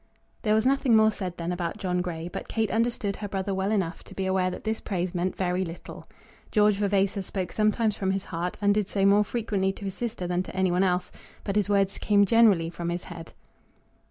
There was nothing more said then about John Grey; but Kate understood her brother well enough to be aware that this praise meant very little. George Vavasor spoke sometimes from his heart, and did so more frequently to his sister than to any one else; but his words came generally from his head.